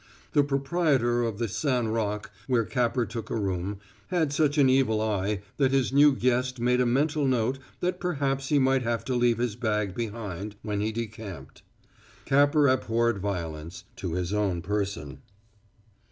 The proprietor of the San Roc, where Capper took a room, had such an evil eye that his new guest made a mental note that perhaps he might have to leave his bag behind when he decamped. Capper abhorred violence to his own person.